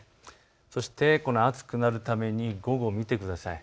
そして暑くなるために午後、見てください。